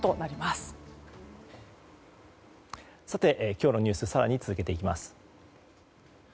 今日のニュース更に続けていきます。